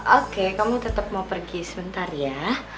oke kamu tetap mau pergi sebentar ya